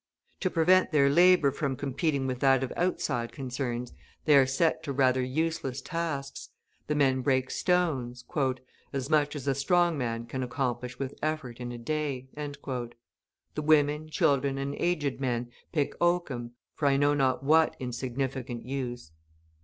To prevent their labour from competing with that of outside concerns, they are set to rather useless tasks: the men break stones, "as much as a strong man can accomplish with effort in a day;" the women, children, and aged men pick oakum, for I know not what insignificant use.